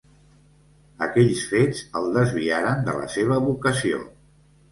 Aquells fets el desviaren de la seva vocació.